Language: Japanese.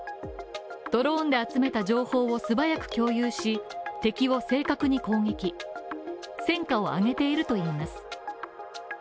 ドローンで集めた情報を素早く共有し敵を正確に攻撃戦果を挙げているといいます。